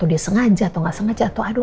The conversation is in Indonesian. ini cuman aku